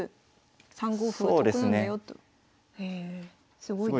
すごいですね。